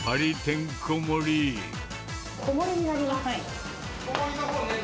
小盛りになります。